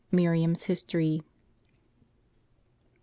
MIRIAM'S HISTORY. ?